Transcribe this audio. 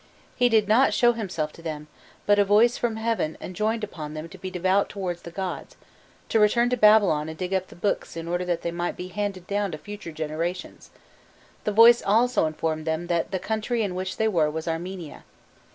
He did not show himself to them, but a voice from heaven enjoined upon them to be devout towards the gods, to return to Babylon and dig up the books in order that they might be handed down to future generations; the voice also informed them that the country in which they were was Armenia.